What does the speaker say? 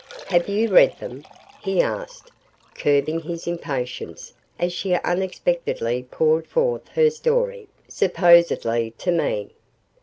"Have you read them?" he asked, curbing his impatience as she unsuspectingly poured forth her story, supposedly to me.